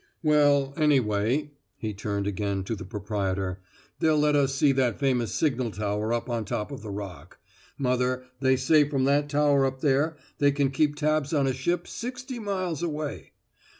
"Well, anyway" he turned again to the proprietor "they'll let us see that famous signal tower up on top of the Rock. Mother, they say from that tower up there, they can keep tabs on a ship sixty miles away.